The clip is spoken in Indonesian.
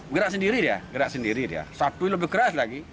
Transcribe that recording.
bergerak sendiri ya satu lebih keras lagi